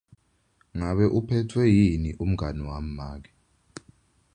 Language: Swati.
Ngabe uphetfwe yini umngani wami make?